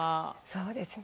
そうですね。